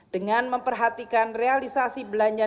dengan memperhatikan realisasi belanja